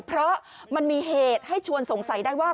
เพราะมันมีเหตุให้ชวนสงสัยได้ว่า